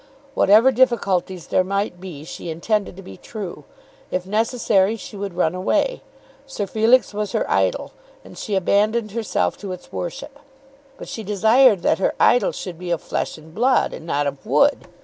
Whatever difficulties there might be, she intended to be true. If necessary, she would run away. Sir Felix was her idol, and she abandoned herself to its worship. But she desired that her idol should be of flesh and blood, and not of wood.